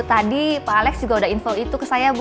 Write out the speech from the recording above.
tadi pak alex juga sudah info itu ke saya bu